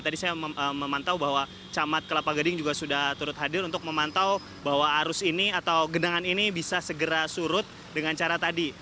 tadi saya memantau bahwa camat kelapa gading juga sudah turut hadir untuk memantau bahwa arus ini atau genangan ini bisa segera surut dengan cara tadi